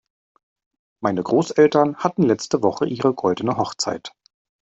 Meine Großeltern hatten letzte Woche ihre goldene Hochzeit.